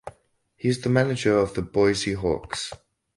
He is the manager of the Boise Hawks.